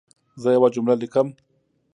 زه یوه جمله لیکم.